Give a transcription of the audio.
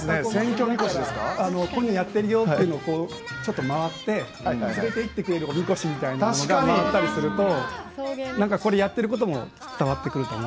こういうのやってるよっていうのをこうちょっと回って連れていってくれるおみこしみたいなのが回ったりすると何かこれやってることも伝わってくると思うし。